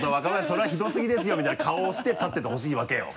それはひどすぎですよみたいな顔をして立っててほしいわけよ。